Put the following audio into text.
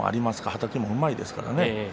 はたきもうまいですから。